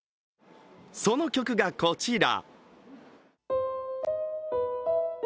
その曲が、こちら。